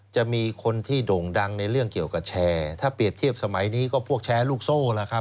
จะมีคนที่โด่งดังในเรื่องเกี่ยวกับแชร์ถ้าเปรียบเทียบสมัยนี้ก็พวกแชร์ลูกโซ่แล้วครับ